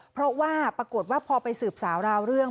เพราะว่าปรากฏว่าพอไปสืบสาวราวเรื่อง